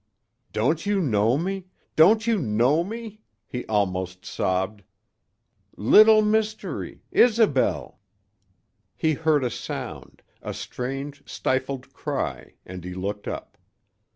"Don't you know me don't you know me " he almost sobbed. "Little Mystery Isobel " He heard a sound, a strange, stifled cry, and he looked up.